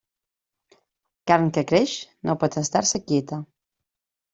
Carn que creix, no pot estar-se quieta.